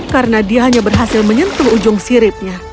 karena dia hanya berhasil menyentuh ujung siripnya